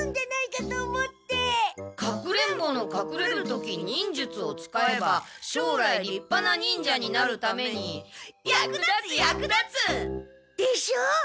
時忍術を使えばしょうらい立派な忍者になるために役立つ役立つ！でしょう。